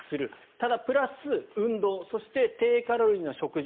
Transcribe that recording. ただ、プラス運動、そして低カロリーな食事